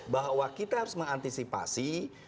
bahwa kita harus mengantisipasi